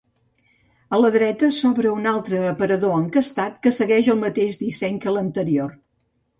A la dreta s'obre un altre aparador encastat que segueix el mateix disseny que l'anterior.